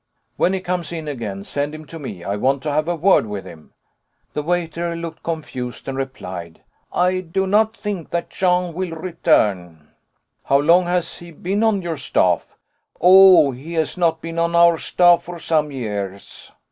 "When he comes in again, send him to me. I want to have a word with him." The waiter looked confused, and replied: "I do not think that Jean will return." "How long has he been on your staff?" "Oh! he has not been on our staff for some years."